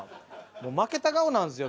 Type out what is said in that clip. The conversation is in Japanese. もう負けた顔なんですよ